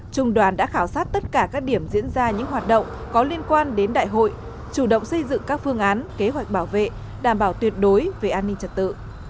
trung đoàn đã khảo sát tất cả các điểm diễn ra những hoạt động có liên quan đến đại hội chủ động xây dựng các phương án kế hoạch bảo vệ đảm bảo tuyệt đối về an ninh trật tự